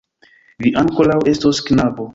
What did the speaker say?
Vi ankoraŭ estos, knabo!